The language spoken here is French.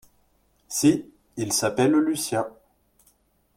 Si, il s’appelle Lucien.